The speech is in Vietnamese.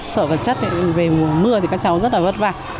sở vật chất về mùa mưa thì các cháu rất là vất vả